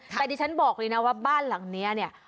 แต่ดิฉันบอกเลยนะว่าบ้านหลังนี้เนี่ย